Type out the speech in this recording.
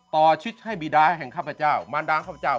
ชิดให้บีดาแห่งข้าพเจ้ามารดางข้าพเจ้า